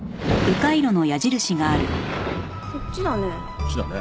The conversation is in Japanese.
こっちだね。